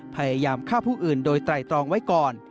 พยายามฆ่าผู้อื่นโดยไตรตรองไว้ก่อน